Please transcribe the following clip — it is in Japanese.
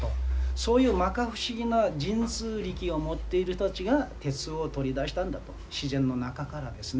そういう摩訶不思議な神通力を持っている人たちが鉄を取り出したんだと自然の中からですね。